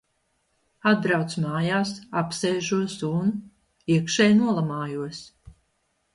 Atbraucu mājās, apsēžos, un... iekšēji nolamājos.